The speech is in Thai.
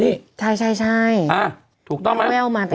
ถูกต้องมั้ยวันนั้นคุณลัมโบ่คันลุดออกมานี่